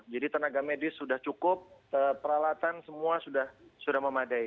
jadi tenaga medis sudah cukup peralatan semua sudah memadai